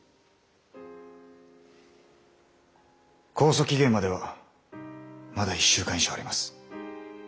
控訴期限まではまだ１週間以上あります。